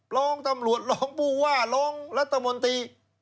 ร้องตำรวจร้องผู้ว่าร้องรัฐมนตรี